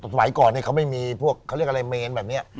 สมัยก่อนเขาไม่มีพวกเขาเรียกอะไรเมนแบบนี้